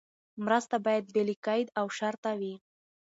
مرسته باید بې له قید او شرطه وي.